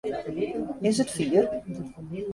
Is it fier?